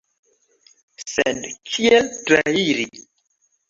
Sed kiel trairi?